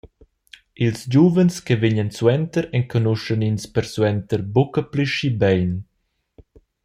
Ils giuvens che vegnan suenter enconuschan ins persuenter buca pli schi bein.